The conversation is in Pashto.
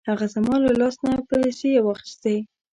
هغه زما له لاس نه پیسې واخیستې.